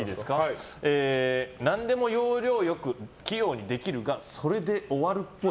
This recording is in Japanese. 何でも要領よく器用にできるがそれで終わるっぽい。